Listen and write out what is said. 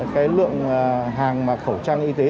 cái lượng hàng khẩu trang y tế